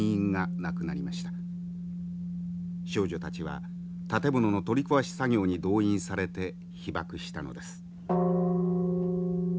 少女たちは建物の取り壊し作業に動員されて被爆したのです。